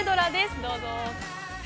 どうぞ。